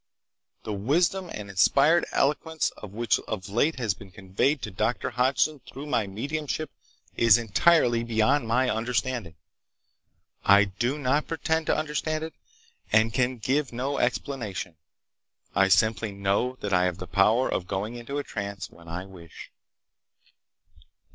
The wisdom and inspired eloquence which of late has been conveyed to Dr. Hodgson through my mediumship is entirely beyond my understanding. I do not pretend to understand it, and can give no explanation—I simply know that I have the power of going into a trance when I wish."